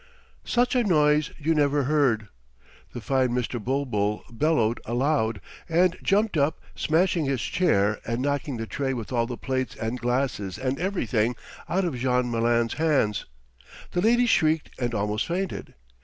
Such a noise you never heard. The fine Mr. Bulbul bellowed aloud and jumped up, smashing his chair and knocking the tray with all the plates and glasses and everything out of Jean Malin's hands. The lady shrieked and almost fainted.